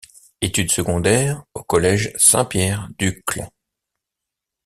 Études secondaires au collège Saint-Pierre d'Uccle.